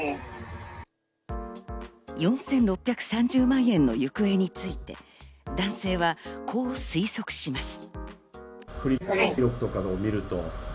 ４６３０万円の行方について、男性は、こう推測します。